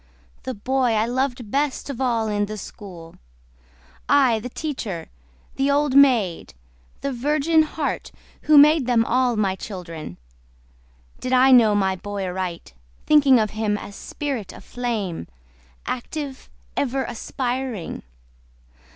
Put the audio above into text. The boy I loved best of all in the school?— I, the teacher, the old maid, the virgin heart, Who made them all my children. Did I know my boy aright, Thinking of him as a spirit aflame, Active, ever aspiring?